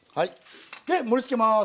で盛りつけます。